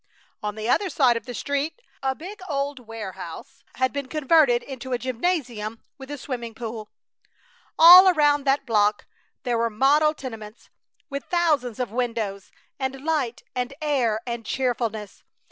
On the other side of the street a big, old warehouse had been converted into a gymnasium with a swimming pool. All around that block there were model tenements, with thousands of windows; and light and air and cheerfulness.